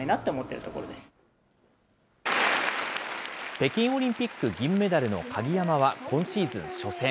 北京オリンピック銀メダルの鍵山は、今シーズン初戦。